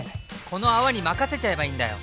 この泡に任せちゃえばいいんだよ！